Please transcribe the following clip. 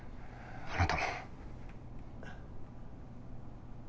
あなたも。